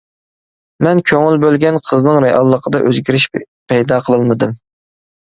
مەن كۆڭۈل بۆلگەن قىزنىڭ رېئاللىقىدا ئۆزگىرىش پەيدا قىلالمىدىم.